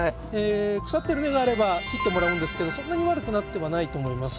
腐ってる根があれば切ってもらうんですけどそんなに悪くなってはないと思います。